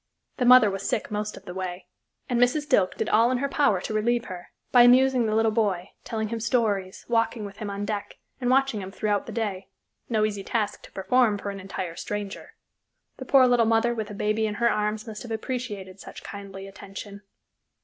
The mother was sick most of the way, and Mrs. Dilke did all in her power to relieve her, by amusing the little boy, telling him stories, walking with him on deck, and watching him throughout the day, no easy task to perform for an entire stranger. The poor little mother with a baby in her arms must have appreciated such kindly attention.